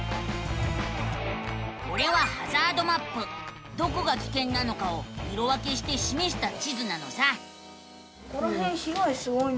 これはどこがきけんなのかを色分けしてしめした地図なのさ。